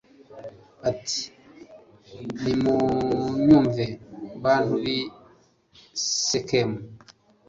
ati nimunyumve, bantu b'i sikemu